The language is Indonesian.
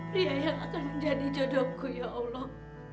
dia yang akan menjadi jodohku ya allah